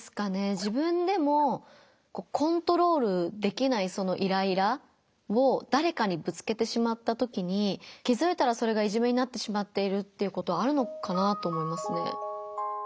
自分でもコントロールできないそのイライラをだれかにぶつけてしまったときに気づいたらそれがいじめになってしまっているっていうことあるのかなと思いますね。